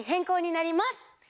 こうになります。